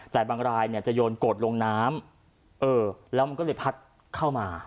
แต่บางรายเนี่ยจะโยนกดลงน้ำเออแล้วมันก็เลยพัดเข้ามา